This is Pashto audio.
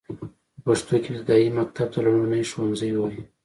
په پښتو کې ابتدايي مکتب ته لومړنی ښوونځی وايي.